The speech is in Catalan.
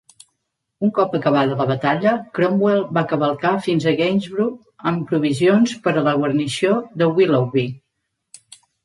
Un cop acabada la batalla, Cromwell va cavalcar fins a Gainsborough amb provisions per a la guarnició de Willoughby.